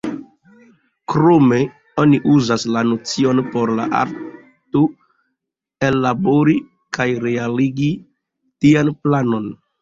Krome oni uzas la nocion por la arto ellabori kaj realigi tian planon.